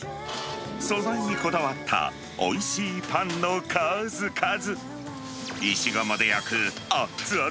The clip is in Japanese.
素材にこだわったおいしいパンの数々。